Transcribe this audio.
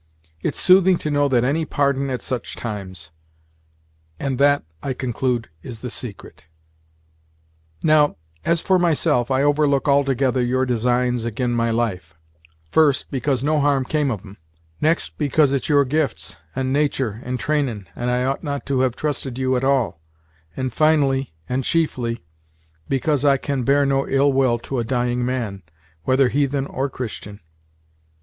It's soothing to know that any pardon at such times; and that, I conclude, is the secret. Now, as for myself, I overlook altogether your designs ag'in my life; first, because no harm came of 'em; next, because it's your gifts, and natur', and trainin', and I ought not to have trusted you at all; and, finally and chiefly, because I can bear no ill will to a dying man, whether heathen or Christian.